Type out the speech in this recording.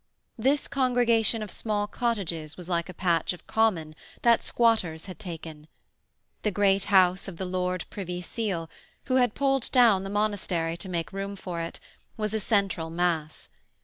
This congregation of small cottages was like a patch of common that squatters had taken; the great house of the Lord Privy Seal, who had pulled down the monastery to make room for it, was a central mass.